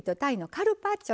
カルパッチョ。